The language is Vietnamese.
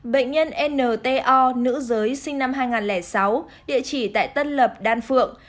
bệnh nhân nto nữ giới sinh năm hai nghìn sáu địa chỉ tại tân lập đan phượng